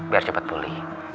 biar cepat pulih